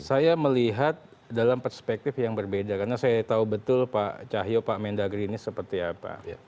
saya melihat dalam perspektif yang berbeda karena saya tahu betul pak cahyo pak mendagri ini seperti apa